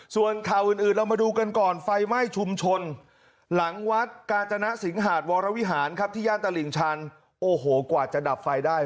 ส่วนข่าวอื่นเรามาดูกันก่อนไฟไหม้ชุมชนหลังวัดกาจนะสิงหาดวรวิหารครับที่ย่านตลิ่งชันโอ้โหกว่าจะดับไฟได้